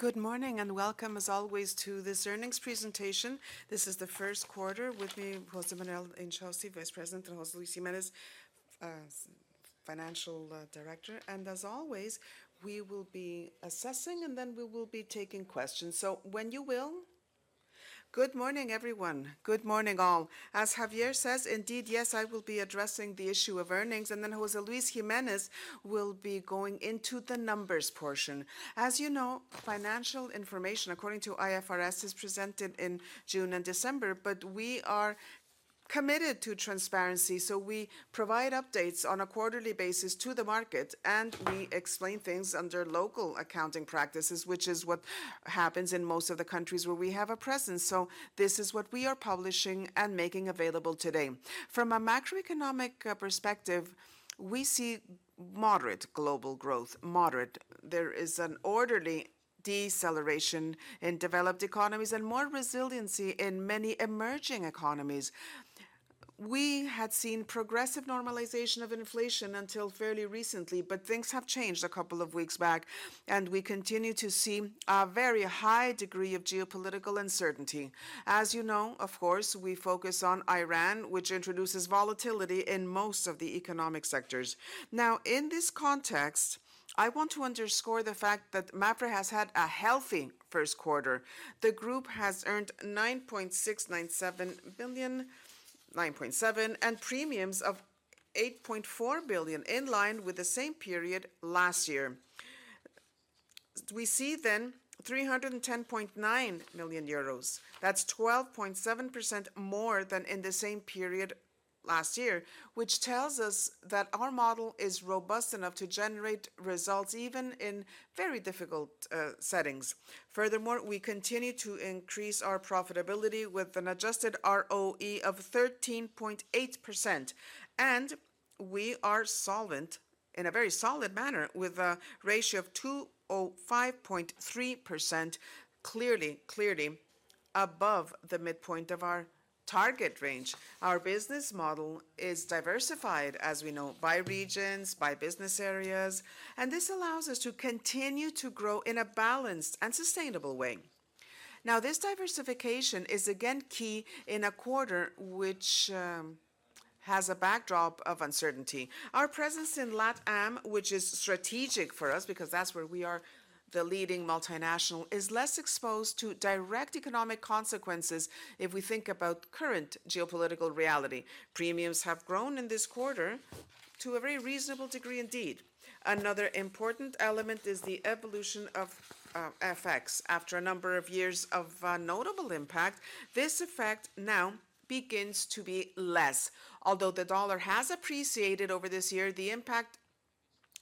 Good morning, welcome as always to this earnings presentation. This is the first quarter with me, José Manuel Inchausti, Vice Chairman, and José Luis Jiménez, Chief Financial Officer. As always, we will be assessing, then we will be taking questions. When you will. Good morning, everyone. Good morning, all. As Javier says, indeed, yes, I will be addressing the issue of earnings, and then José Luis Jiménez will be going into the numbers portion. As you know, financial information, according to IFRS, is presented in June and December, but we are committed to transparency, so we provide updates on a quarterly basis to the market, and we explain things under local accounting practices, which is what happens in most of the countries where we have a presence. This is what we are publishing and making available today. From a macroeconomic perspective, we see moderate global growth, moderate. There is an orderly deceleration in developed economies and more resiliency in many emerging economies. We had seen progressive normalization of inflation until fairly recently, but things have changed two weeks back, and we continue to see a very high degree of geopolitical uncertainty. As you know, of course, we focus on Iran, which introduces volatility in most of the economic sectors. Now, in this context, I want to underscore the fact that Mapfre has had a healthy first quarter. The Group has earned 9.697 billion, 9.7 billion, and premiums of 8.4 billion, in line with the same period last year. We see then 310.9 million euros. That's 12.7% more than in the same period last year, which tells us that our model is robust enough to generate results even in very difficult settings. Furthermore, we continue to increase our profitability with an adjusted ROE of 13.8%, and we are solvent in a very solid manner with a ratio of 205.3%, clearly above the midpoint of our target range. Our business model is diversified, as we know, by regions, by business areas, this allows us to continue to grow in a balanced and sustainable way. This diversification is again key in a quarter which has a backdrop of uncertainty. Our presence in LatAm, which is strategic for us because that's where we are the leading multinational, is less exposed to direct economic consequences if we think about current geopolitical reality. Premiums have grown in this quarter to a very reasonable degree indeed. Another important element is the evolution of FX. After a number of years of notable impact, this effect now begins to be less. Although the dollar has appreciated over this year, the impact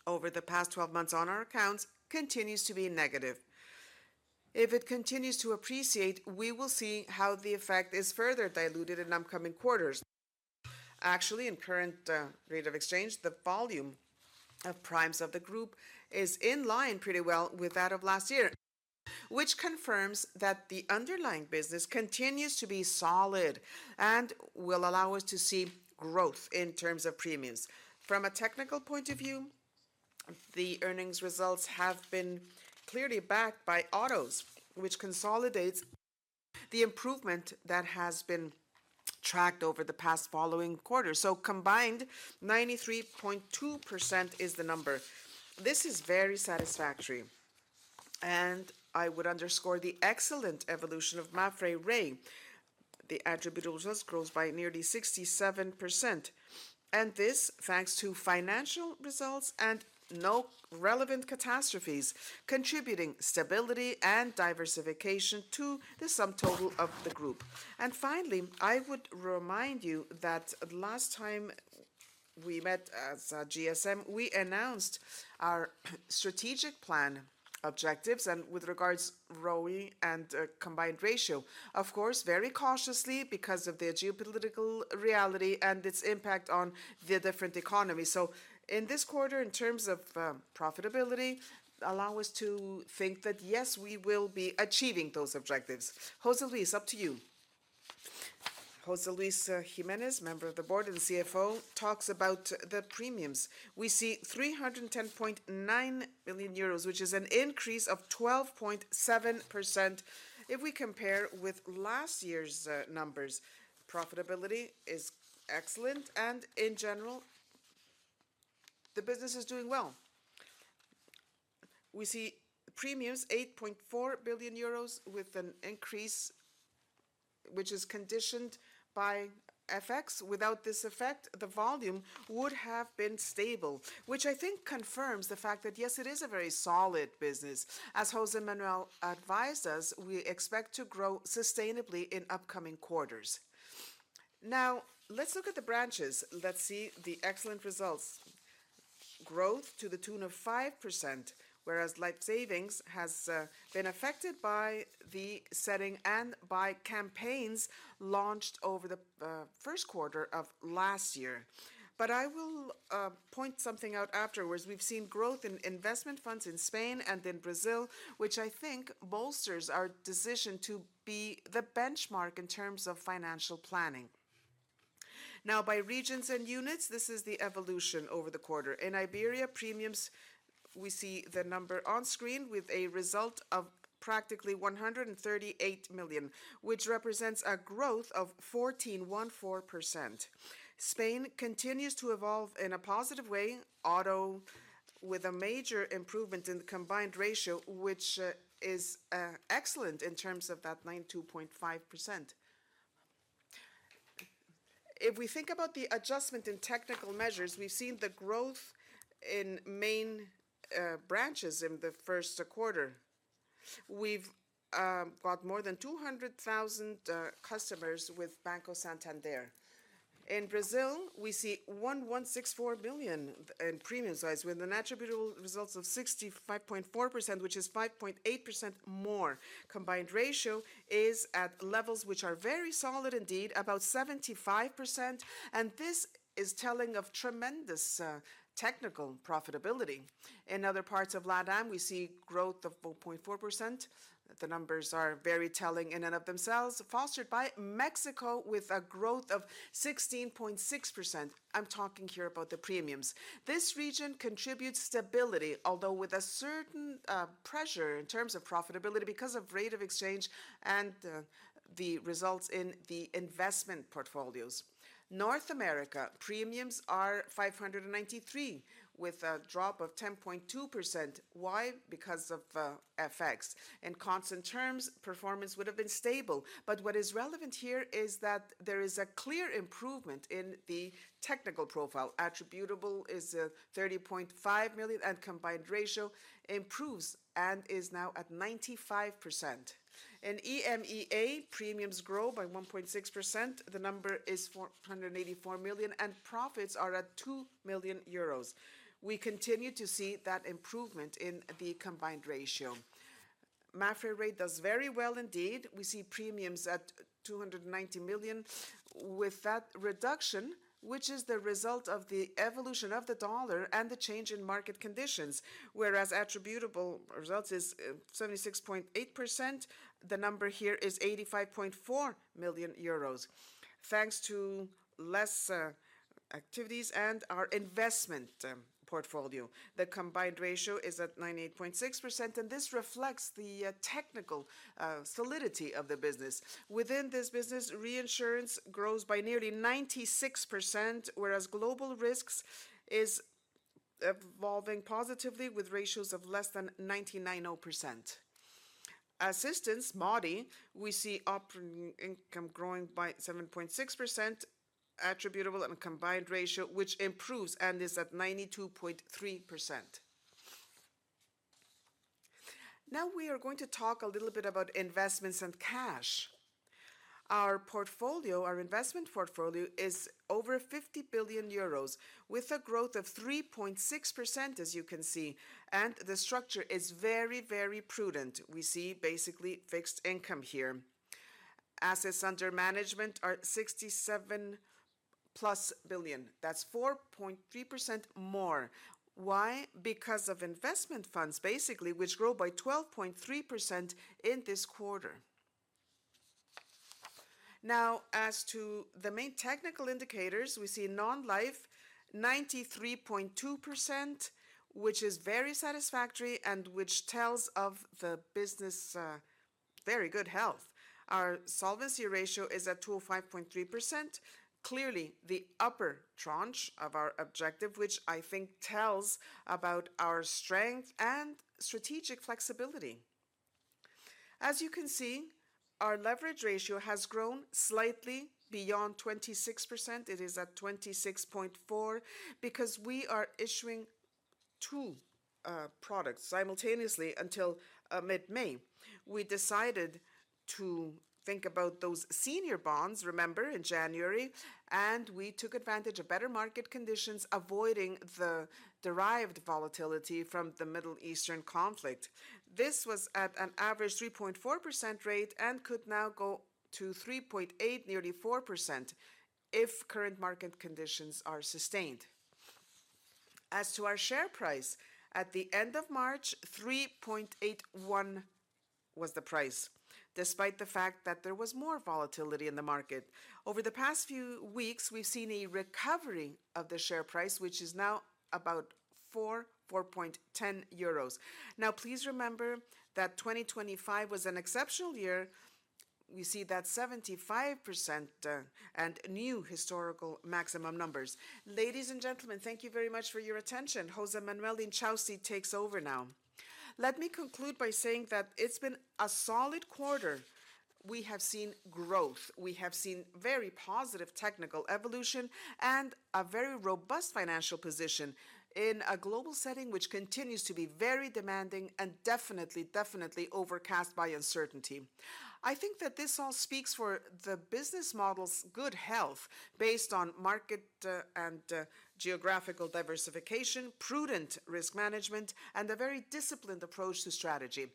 over the past 12 months on our accounts continues to be negative. If it continues to appreciate, we will see how the effect is further diluted in upcoming quarters. Actually, in current rate of exchange, the volume of premiums of the group is in line pretty well with that of last year, which confirms that the underlying business continues to be solid and will allow us to see growth in terms of premiums. From a technical point of view, the earnings results have been clearly backed by autos, which consolidates the improvement that has been tracked over the past following quarters. Combined, 93.2% is the number. This is very satisfactory, and I would underscore the excellent evolution of Mapfre Re. The attributable results grows by nearly 67%, this thanks to financial results and no relevant catastrophes, contributing stability and diversification to the sum total of the group. Finally, I would remind you that last time we met as GSM, we announced our strategic plan objectives with regards ROE and combined ratio. Of course, very cautiously because of the geopolitical reality and its impact on the different economies. In this quarter, in terms of profitability, allow us to think that, yes, we will be achieving those objectives. José Luis, up to you. José Luis Jiménez, member of the board and CFO, talks about the premiums. We see 310.9 million euros, which is an increase of 12.7% if we compare with last year's numbers. Profitability is excellent, and in general, the business is doing well. We see premiums 8.4 billion euros with an increase which is conditioned by FX. Without this effect, the volume would have been stable, which I think confirms the fact that, yes, it is a very solid business. As José Manuel advised us, we expect to grow sustainably in upcoming quarters. Now, let's look at the branches. Let's see the excellent results. Growth to the tune of 5%, whereas life savings has been affected by the setting and by campaigns launched over the first quarter of last year. I will point something out afterwards. We've seen growth in investment funds in Spain and in Brazil, which I think bolsters our decision to be the benchmark in terms of financial planning. Now by regions and units, this is the evolution over the quarter. In Iberia, premiums, we see the number on screen with a result of practically 138 million, which represents a growth of 14.14%. Spain continues to evolve in a positive way. Auto with a major improvement in the combined ratio, which is excellent in terms of that 92.5%. If we think about the adjustment in technical measures, we've seen the growth in main branches in the first quarter. We've got more than 200,000 customers with Banco Santander. In Brazil, we see 1.164 billion in premium size with an attributable results of 65.4%, which is 5.8% more. Combined ratio is at levels which are very solid indeed, about 75%. This is telling of tremendous technical profitability. In other parts of LatAm, we see growth of 4.4%. The numbers are very telling in and of themselves, fostered by Mexico with a growth of 16.6%. I'm talking here about the premiums. This region contributes stability, although with a certain pressure in terms of profitability because of rate of exchange and the results in the investment portfolios. North America, premiums are 593 million, with a drop of 10.2%. Why? Because of FX. In constant terms, performance would have been stable. What is relevant here is that there is a clear improvement in the technical profile. Attributable is 30.5 million, and combined ratio improves and is now at 95%. In EMEA, premiums grow by 1.6%. The number is 484 million, and profits are at 2 million euros. We continue to see that improvement in the combined ratio. Mapfre Re does very well indeed. We see premiums at 290 million. With that reduction, which is the result of the evolution of the dollar and the change in market conditions, whereas attributable results is 76.8%, the number here is 85.4 million euros. Thanks to less activities and our investment portfolio. The combined ratio is at 98.6%, and this reflects the technical solidity of the business. Within this business, reinsurance grows by nearly 96%, whereas global risks is evolving positively with ratios of less than 99.0%. Assistance, MAWDY, we see operating income growing by 7.6%, attributable and combined ratio, which improves and is at 92.3%. Now we are going to talk a little bit about investments and cash. Our portfolio, our investment portfolio is over 50 billion euros with a growth of 3.6%, as you can see, and the structure is very, very prudent. We see basically fixed income here. Assets under management are 67+ billion. That's 4.3% more. Why? Because of investment funds, basically, which grow by 12.3% in this quarter. Now, as to the main technical indicators, we see non-life 93.2%, which is very satisfactory and which tells of the business' very good health. Our solvency ratio is at 205.3%. Clearly, the upper tranche of our objective, which I think tells about our strength and strategic flexibility. As you can see, our leverage ratio has grown slightly beyond 26%. It is at 26.4%, because we are issuing two products simultaneously until mid-May. We decided to think about those senior bonds, remember, in January. We took advantage of better market conditions, avoiding the derived volatility from the Middle Eastern conflict. This was at an average 3.4% rate and could now go to 3.8%, nearly 4% if current market conditions are sustained. As to our share price, at the end of March, 3.81 was the price, despite the fact that there was more volatility in the market. Over the past few weeks, we've seen a recovery of the share price, which is now about 4, 4.10 euros. Please remember that 2025 was an exceptional year. We see that 75% and new historical maximum numbers. Ladies and gentlemen, thank you very much for your attention. José Manuel Inchausti takes over now. Let me conclude by saying that it's been a solid quarter. We have seen growth. We have seen very positive technical evolution and a very robust financial position in a global setting which continues to be very demanding and definitely overcast by uncertainty. I think that this all speaks for the business model's good health based on market and geographical diversification, prudent risk management, and a very disciplined approach to strategy.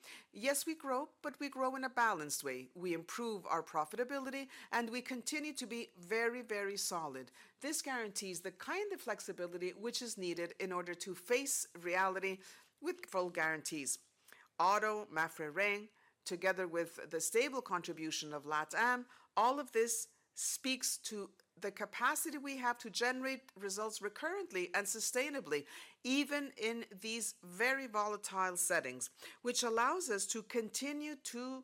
We grow, but we grow in a balanced way. We improve our profitability, we continue to be very, very solid. This guarantees the kind of flexibility which is needed in order to face reality with full guarantees. Auto, Mapfre Re, together with the stable contribution of LatAm, all of this speaks to the capacity we have to generate results recurrently and sustainably, even in these very volatile settings, which allows us to continue to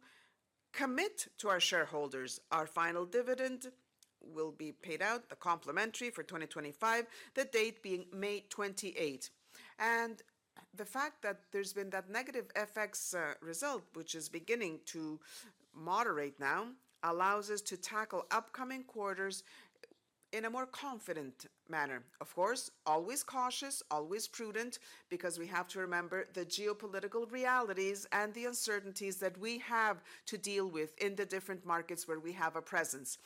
commit to our shareholders. Our final dividend will be paid out, the complementary for 2025, the date being May 28. The fact that there's been that negative FX result, which is beginning to moderate now, allows us to tackle upcoming quarters in a more confident manner. Of course, always cautious, always prudent, because we have to remember the geopolitical realities and the uncertainties that we have to deal with in the different markets where we have a presence.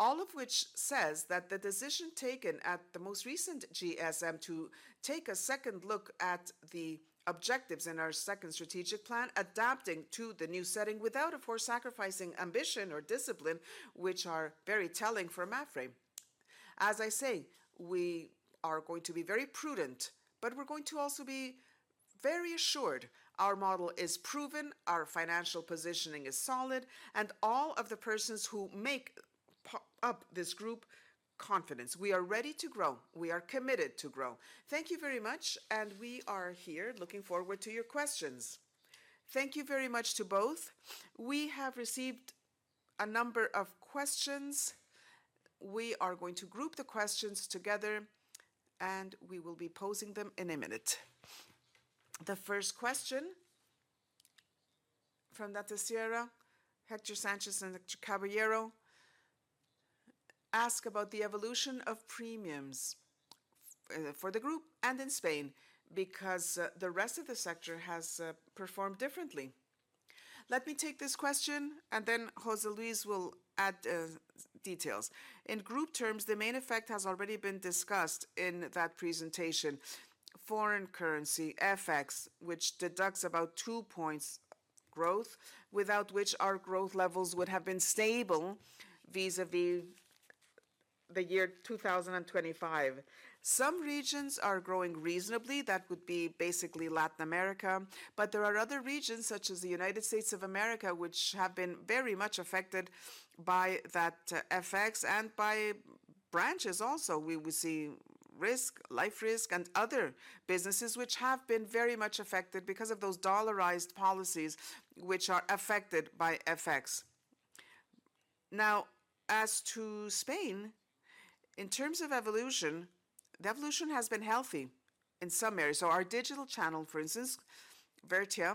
All of which says that the decision taken at the most recent GSM to take a second look at the objectives in our second strategic plan, adapting to the new setting without, of course, sacrificing ambition or discipline, which are very telling for Mapfre. As I say, we are going to be very prudent, but we're going to also be very assured. Our model is proven, our financial positioning is solid, and all of the persons who make up this group confidence. We are ready to grow. We are committed to grow. Thank you very much, and we are here looking forward to your questions. Thank you very much to both. We have received a number of questions. We are going to group the questions together, and we will be posing them in a minute. The first question from [Data Sierra], Héctor Sánchez and Héctor Caballero ask about the evolution of premiums for the group and in Spain, because the rest of the sector has performed differently. Let me take this question, and then José Luis will add details. In group terms, the main effect has already been discussed in that presentation. Foreign currency, FX, which deducts about 2 points growth, without which our growth levels would have been stable vis-a-vis the year 2025. Some regions are growing reasonably. That would be basically Latin America. There are other regions such as the United States of America, which have been very much affected by that FX and by branches also. We see risk, life risk and other businesses which have been very much affected because of those dollarized policies which are affected by FX. As to Spain, in terms of evolution, the evolution has been healthy in some areas. Our digital channel, for instance, Verti,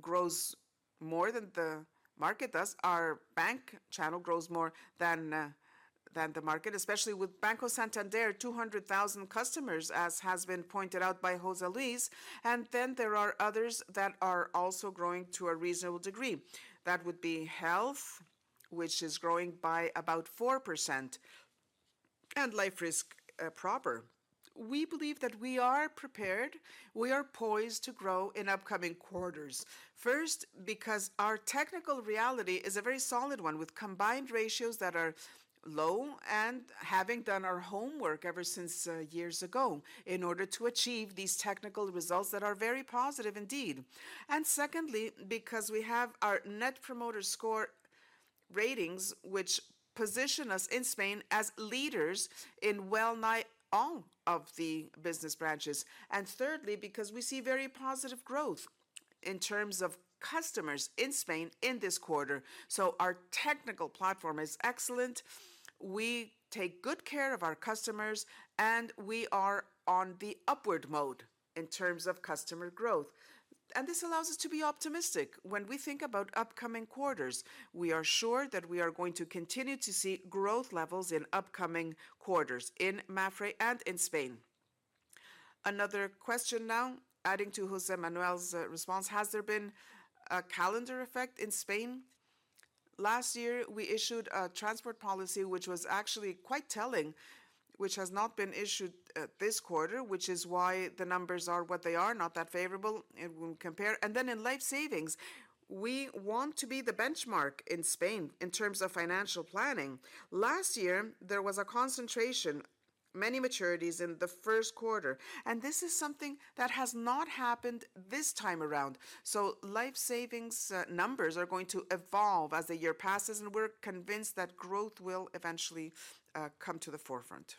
grows more than the market does. Our bank channel grows more than the market, especially with Banco Santander, 200,000 customers, as has been pointed out by José Luis. There are others that are also growing to a reasonable degree. That would be health, which is growing by about 4%, and life risk proper. We believe that we are prepared. We are poised to grow in upcoming quarters. Because our technical reality is a very solid one, with combined ratios that are low and having done our homework ever since years ago in order to achieve these technical results that are very positive indeed. Secondly, because we have our Net Promoter Score ratings, which position us in Spain as leaders in well nigh all of the business branches. Thirdly, because we see very positive growth in terms of customers in Spain in this quarter. Our technical platform is excellent. We take good care of our customers, and we are on the upward mode in terms of customer growth. This allows us to be optimistic when we think about upcoming quarters. We are sure that we are going to continue to see growth levels in upcoming quarters in Mapfre and in Spain. Another question now, adding to José Manuel's response: Has there been a calendar effect in Spain? Last year, we issued a transport policy which was actually quite telling, which has not been issued this quarter, which is why the numbers are what they are, not that favorable, when compare. In life savings, we want to be the benchmark in Spain in terms of financial planning. Last year, there was a concentration, many maturities in the first quarter, and this is something that has not happened this time around. Life savings numbers are going to evolve as the year passes, and we're convinced that growth will eventually come to the forefront.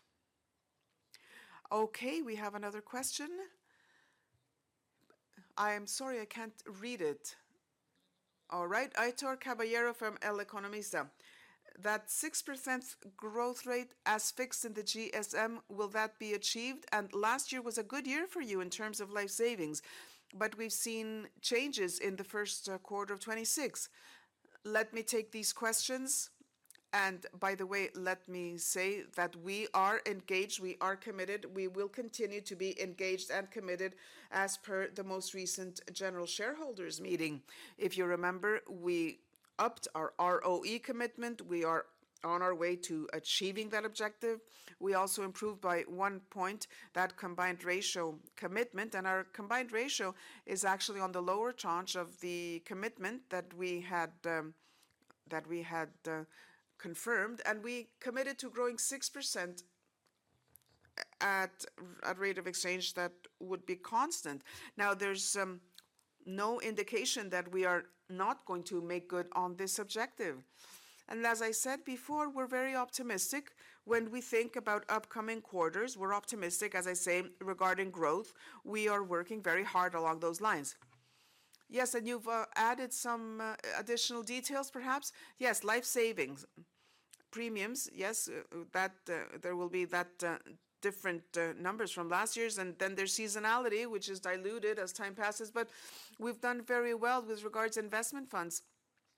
We have another question. I am sorry, I can't read it. Aitor Caballero from elEconomista: That 6% growth rate as fixed in the GSM, will that be achieved? Last year was a good year for you in terms of life savings. We've seen changes in the first quarter of 2026. Let me take these questions. Let me say that we are engaged, we are committed. We will continue to be engaged and committed as per the most recent general shareholders meeting. If you remember, we upped our ROE commitment. We are on our way to achieving that objective. We also improved by 1 point that combined ratio commitment. Our combined ratio is actually on the lower tranche of the commitment that we had confirmed. We committed to growing 6% at a rate of exchange that would be constant. There's no indication that we are not going to make good on this objective. As I said before, we're very optimistic when we think about upcoming quarters. We're optimistic, as I say, regarding growth. We are working very hard along those lines. You've added some additional details perhaps? Life savings. Premiums, that there will be different numbers from last year's, and then there's seasonality, which is diluted as time passes. We've done very well with regards investment funds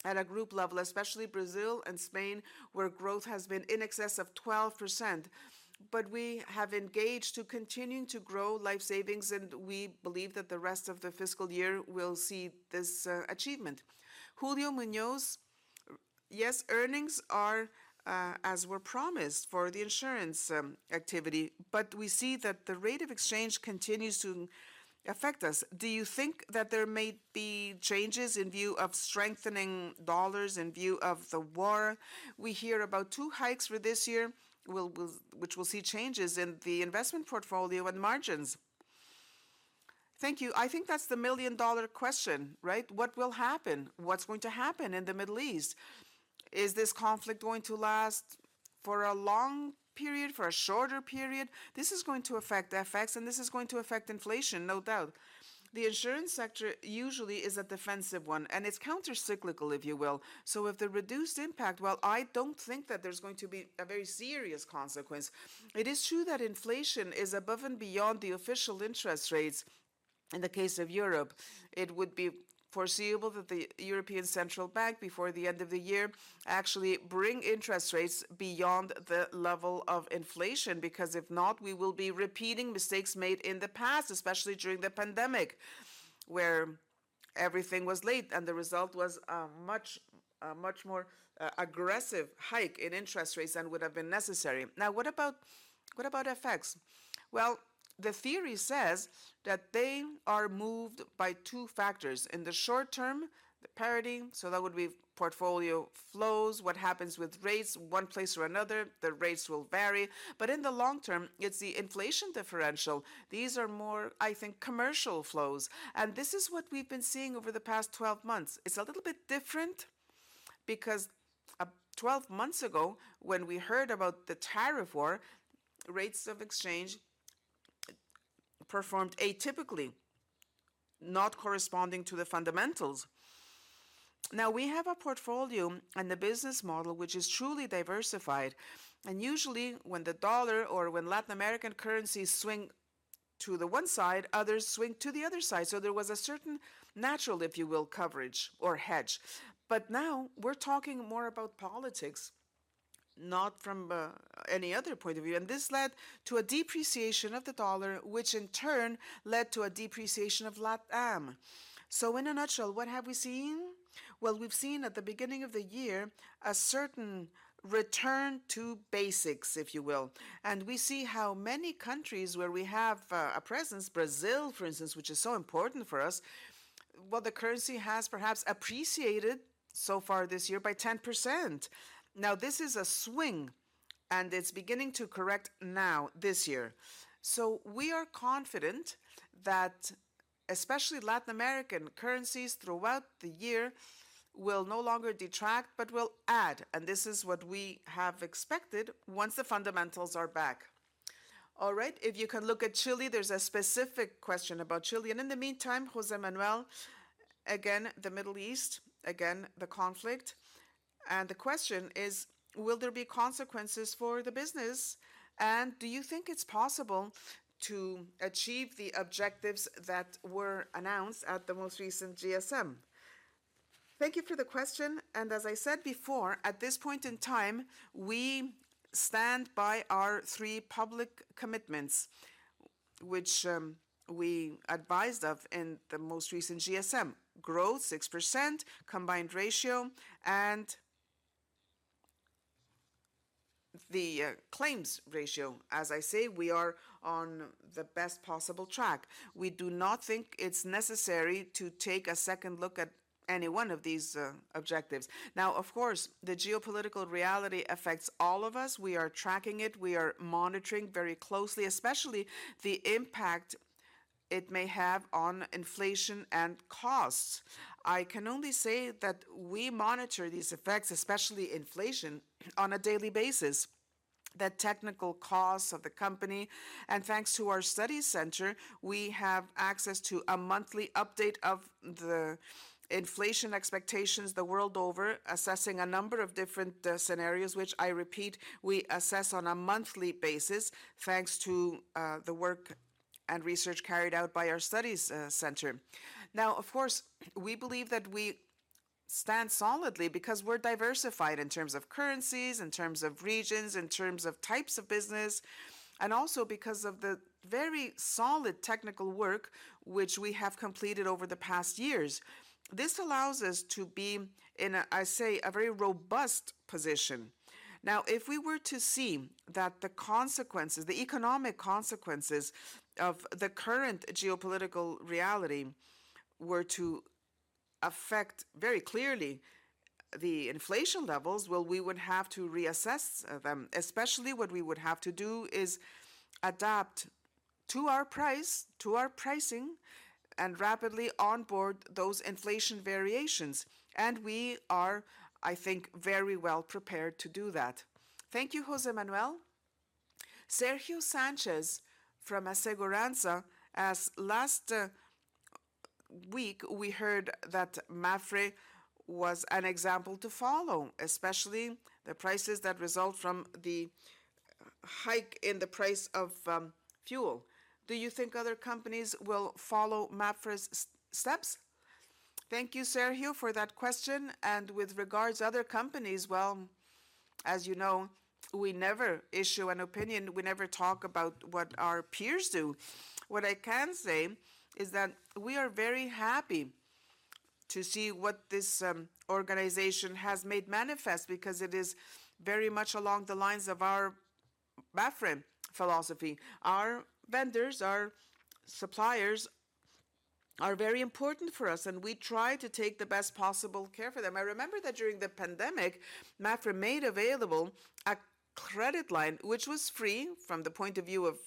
at a group level, especially Brazil and Spain, where growth has been in excess of 12%. We have engaged to continuing to grow life savings, and we believe that the rest of the fiscal year will see this achievement. Julio Muñoz, earnings are as were promised for the insurance activity, but we see that the rate of exchange continues to affect us. Do you think that there may be changes in view of strengthening dollars in view of the war? We hear about two hikes for this year, which will see changes in the investment portfolio and margins. Thank you. I think that's the million-dollar question, right? What will happen? What's going to happen in the Middle East? Is this conflict going to last for a long period, for a shorter period? This is going to affect FX, and this is going to affect inflation, no doubt. The insurance sector usually is a defensive one, and it's counter-cyclical, if you will. If the reduced impact, well, I don't think that there's going to be a very serious consequence. It is true that inflation is above and beyond the official interest rates in the case of Europe. It would be foreseeable that the European Central Bank, before the end of the year, actually bring interest rates beyond the level of inflation, because if not, we will be repeating mistakes made in the past, especially during the pandemic, where everything was late, and the result was a much more aggressive hike in interest rates than would have been necessary. What about FX? Well, the theory says that they are moved by two factors. In the short term, the parity, so that would be portfolio flows, what happens with rates one place or another, the rates will vary. In the long term, it's the inflation differential. These are more, I think, commercial flows, and this is what we've been seeing over the past 12 months. It's a little bit different because 12 months ago, when we heard about the tariff war, rates of exchange performed atypically, not corresponding to the fundamentals. We have a portfolio and a business model which is truly diversified, and usually, when the dollar or when Latin American currencies swing to the one side, others swing to the other side. There was a certain natural, if you will, coverage or hedge. Now, we're talking more about politics, not from any other point of view, and this led to a depreciation of the dollar, which in turn led to a depreciation of LatAm. In a nutshell, what have we seen? Well, we've seen at the beginning of the year a certain return to basics, if you will. We see how many countries where we have a presence, Brazil, for instance, which is so important for us. Well, the currency has perhaps appreciated so far this year by 10%. This is a swing, and it's beginning to correct now, this year. We are confident that especially Latin American currencies throughout the year will no longer detract, but will add. This is what we have expected once the fundamentals are back. All right, if you can look at Chile, there's a specific question about Chile. In the meantime, José Manuel, again, the Middle East, again, the conflict. The question is, will there be consequences for the business? Do you think it's possible to achieve the objectives that were announced at the most recent GSM? Thank you for the question, and as I said before, at this point in time, we stand by our three public commitments, which we advised of in the most recent GSM. Growth, 6%, combined ratio, and the claims ratio. As I say, we are on the best possible track. We do not think it's necessary to take a second look at any one of these objectives. Now, of course, the geopolitical reality affects all of us. We are tracking it. We are monitoring very closely, especially the impact it may have on inflation and costs. I can only say that we monitor these effects, especially inflation, on a daily basis, the technical costs of the company. Thanks to our studies center, we have access to a monthly update of the inflation expectations the world over, assessing a number of different scenarios, which I repeat, we assess on a monthly basis, thanks to the work and research carried out by our studies center. Of course, we believe that we stand solidly because we're diversified in terms of currencies, in terms of regions, in terms of types of business, and also because of the very solid technical work which we have completed over the past years. This allows us to be in a, I say, a very robust position. If we were to see that the consequences, the economic consequences of the current geopolitical reality were to affect very clearly the inflation levels. Well, we would have to reassess them, especially what we would have to do is adapt to our price, to our pricing, and rapidly onboard those inflation variations. We are, I think, very well prepared to do that. Thank you, José Manuel. Sergio Sánchez from Aseguranza asks, last week we heard that Mapfre was an example to follow, especially the prices that result from the hike in the price of fuel. Do you think other companies will follow Mapfre's steps? Thank you, Sergio, for that question. With regards other companies, well, as you know, we never issue an opinion. We never talk about what our peers do. What I can say is that we are very happy to see what this organization has made manifest because it is very much along the lines of our Mapfre philosophy. Our vendors, our suppliers are very important for us, and we try to take the best possible care for them. I remember that during the pandemic, Mapfre made available a credit line, which was free from the point of view of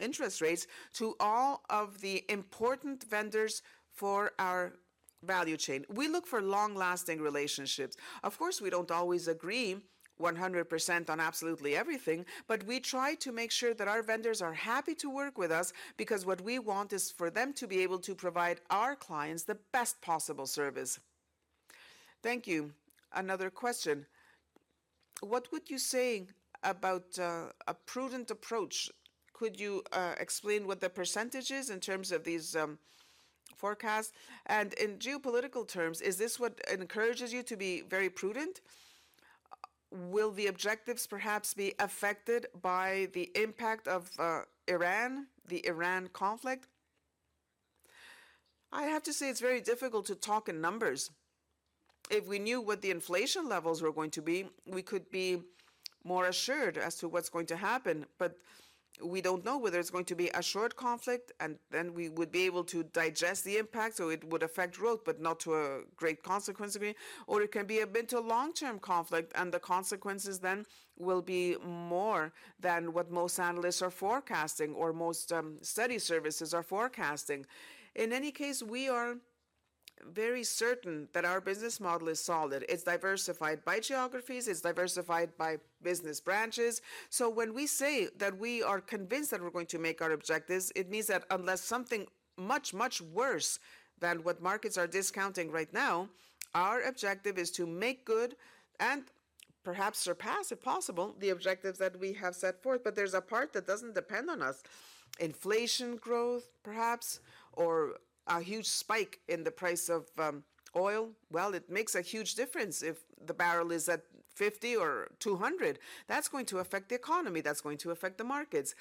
interest rates, to all of the important vendors for our value chain. We look for long-lasting relationships. Of course, we don't always agree 100% on absolutely everything, but we try to make sure that our vendors are happy to work with us because what we want is for them to be able to provide our clients the best possible service. Thank you. Another question: What would you say about a prudent approach? Could you explain what the percentage is in terms of these forecasts? In geopolitical terms, is this what encourages you to be very prudent? Will the objectives perhaps be affected by the impact of Iran, the Iran conflict? I have to say it's very difficult to talk in numbers. If we knew what the inflation levels were going to be, we could be more assured as to what's going to happen. We don't know whether it's going to be a short conflict, and then we would be able to digest the impact, so it would affect growth, but not to a great consequence maybe. It can be a mid to long-term conflict, and the consequences then will be more than what most analysts are forecasting or most study services are forecasting. In any case, we are very certain that our business model is solid. It's diversified by geographies. It's diversified by business branches. When we say that we are convinced that we're going to make our objectives, it means that unless something much, much worse than what markets are discounting right now, our objective is to make good, and perhaps surpass, if possible, the objectives that we have set forth. There's a part that doesn't depend on us. Inflation growth perhaps, or a huge spike in the price of oil. Well, it makes a huge difference if the barrel is at 50 or 200. That's going to affect the economy. That's going to affect the markets.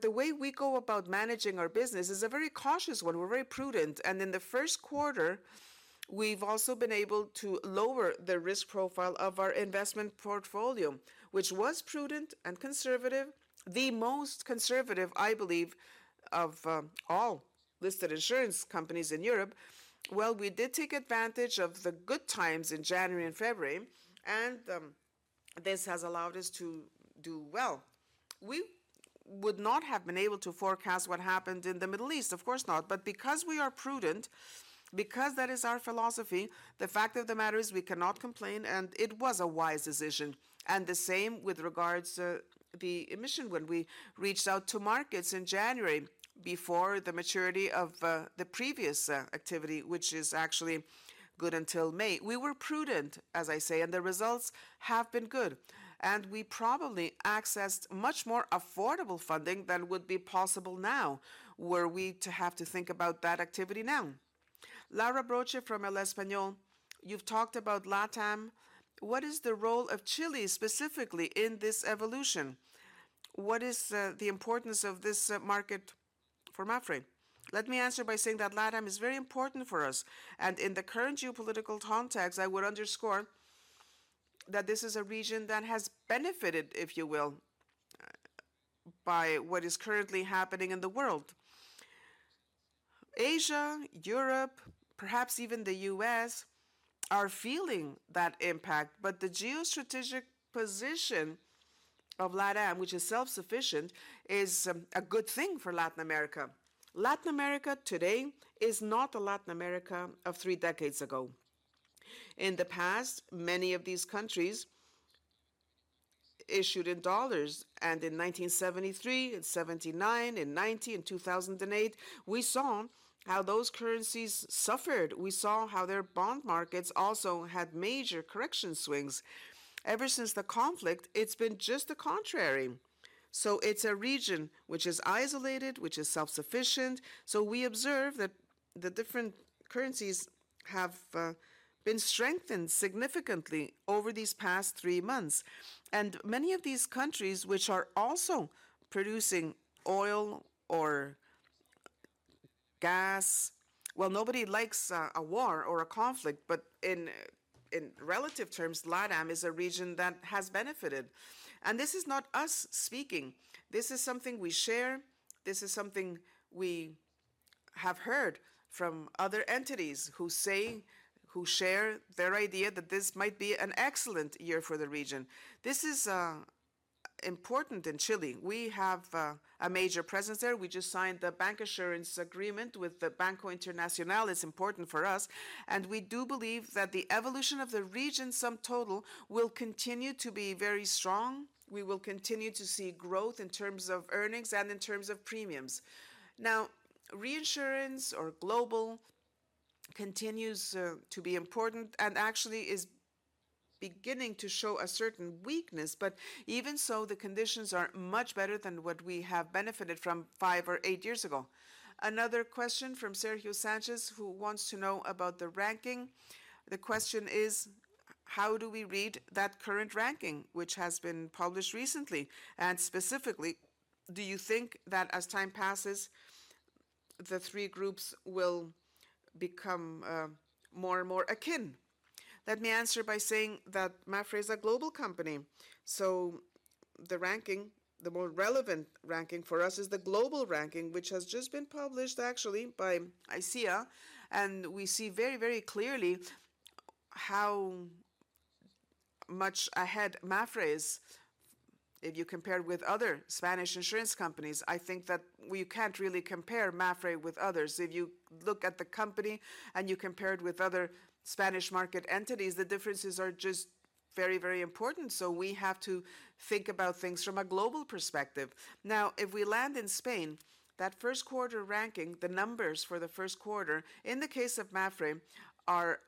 The way we go about managing our business is a very cautious one. We're very prudent. In the first quarter, we've also been able to lower the risk profile of our investment portfolio, which was prudent and conservative, the most conservative, I believe, of all listed insurance companies in Europe. Well, we did take advantage of the good times in January and February, and this has allowed us to do well. We would not have been able to forecast what happened in the Middle East, of course not. Because we are prudent, because that is our philosophy, the fact of the matter is we cannot complain, and it was a wise decision. The same with regards to the emission when we reached out to markets in January before the maturity of the previous activity, which is actually good until May. We were prudent, as I say, and the results have been good, and we probably accessed much more affordable funding than would be possible now were we to have to think about that activity now. You've talked about LatAm. What is the role of Chile specifically in this evolution? What is the importance of this market for Mapfre? Let me answer by saying that LatAm is very important for us, and in the current geopolitical context, I would underscore that this is a region that has benefited, if you will, by what is currently happening in the world. Asia, Europe, perhaps even the U.S. are feeling that impact, but the geostrategic position of LatAm, which is self-sufficient, is a good thing for Latin America. Latin America today is not the Latin America of three decades ago. In the past, many of these countries issued in dollars, and in 1973, in 1979, in 1990, in 2008, we saw how those currencies suffered. We saw how their bond markets also had major correction swings. Ever since the conflict, it's been just the contrary. It's a region which is isolated, which is self-sufficient, we observe that the different currencies have been strengthened significantly over these past three months. Many of these countries which are also producing oil or gas, well, nobody likes a war or a conflict, but in relative terms, LatAm is a region that has benefited. This is not us speaking. This is something we have heard from other entities who say, who share their idea that this might be an excellent year for the region. This is important in Chile. We have a major presence there. We just signed the bank assurance agreement with the Banco Internacional. It's important for us, we do believe that the evolution of the region sum total will continue to be very strong. We will continue to see growth in terms of earnings and in terms of premiums. Reinsurance or global continues to be important and actually is beginning to show a certain weakness. Even so, the conditions are much better than what we have benefited from five or eight years ago. Another question from Sergio Sánchez, who wants to know about the ranking. The question is, how do we read that current ranking, which has been published recently? Specifically, do you think that as time passes, the three groups will become more and more akin? Let me answer by saying that Mapfre is a global company, the ranking, the more relevant ranking for us is the global ranking, which has just been published actually by ICEA, we see very, very clearly how much ahead Mapfre is if you compare with other Spanish insurance companies. I think that we can't really compare Mapfre with others. If you look at the company, and you compare it with other Spanish market entities, the differences are just very, very important, so we have to think about things from a global perspective. If we land in Spain, that first quarter ranking, the numbers for the first quarter, in the case of Mapfre, are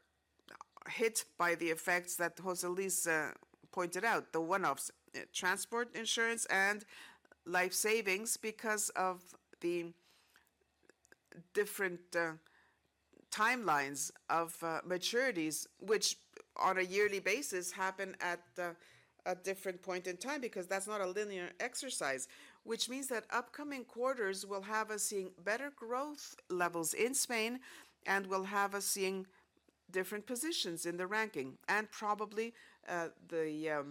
hit by the effects that José Luis pointed out, the one-offs, transport insurance and life savings because of the different timelines of maturities, which on a yearly basis happen at a different point in time because that's not a linear exercise. Which means that upcoming quarters will have us seeing better growth levels in Spain and will have us seeing different positions in the ranking. Probably, the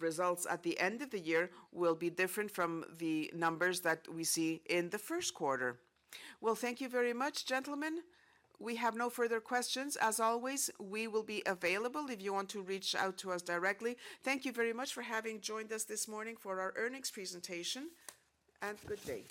results at the end of the year will be different from the numbers that we see in the first quarter. Well, thank you very much, gentlemen. We have no further questions. As always, we will be available if you want to reach out to us directly. Thank you very much for having joined us this morning for our earnings presentation, and good day.